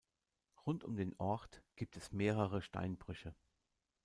Rund um den Ort gibt es mehrere Steinbrüche.